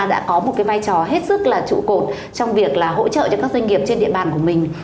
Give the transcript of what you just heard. đã có một cái vai trò hết sức là trụ cột trong việc hỗ trợ cho các doanh nghiệp trên địa bàn của mình